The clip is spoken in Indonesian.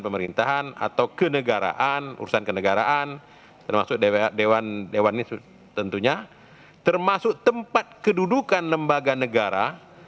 maksudnya termasuk tempat kedudukan lembaga negara